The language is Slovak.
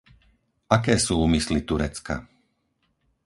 Aké sú úmysly Turecka?